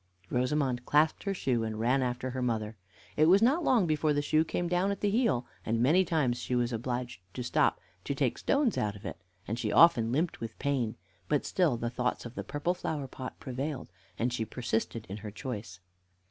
Rosamond clasped her shoe and ran after her mother. It was not long before the shoe came down at the heel, and many times she was obliged to stop to take the stones out of it, and she often limped with pain; but still the thoughts of the purple flower pot prevailed, and she persisted in her choice.